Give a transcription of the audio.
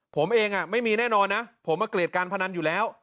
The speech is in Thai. ผมเองไม่มีแน่นอนนะผมมาเกลียดการพนันอยู่แล้ว